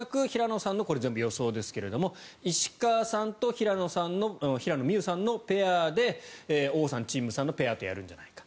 恐らく平野さんのこれは全部予想ですが石川さんと平野美宇さんのペアでオウさん、チン・ムさんのペアとやるんじゃないか。